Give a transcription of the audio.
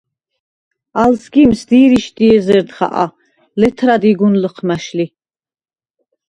ალ სგიმს დირიშდი ეზერდ ხაყა, ლეთრადი გუნ ლჷჴმა̈შ ლი.